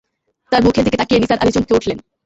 তার মুখের দিকে তাকিয়ে নিসার আলি চমকে উঠলেন।